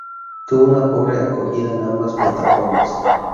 Tuvo una pobre acogida en ambas plataformas.